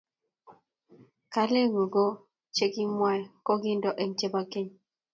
Kaleng ku che koimwai ko kindo eng chebo keny